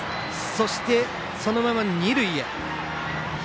そして、そのまま二塁へ。